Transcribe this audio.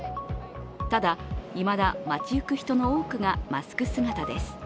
ただ、いまだ街行く人の多くがマスク姿です。